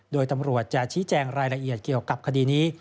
โดยตำรวจจะชี้แจงรายละเอียดเกี่ยวกับคดีนี้